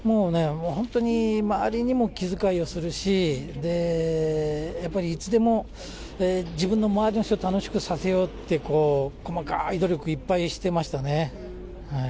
本当に周りに気遣いもするし、やっぱりいつでも、自分の周りの人を楽しくさせようって、細かい努力いっぱいしてましたね。